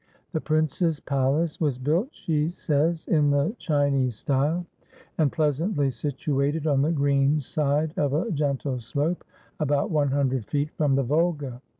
The prince's palace was built, she says, in the Chinese style, and pleasantly situated on the green side of a gentle slope, about one hundred feet from the Volga.